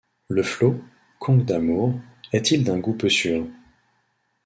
Le flot, conque d’amour, est-il d’un goût peu sûr?